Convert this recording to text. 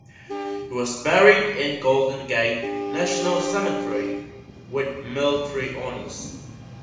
He was buried in Golden Gate National Cemetery with military honors.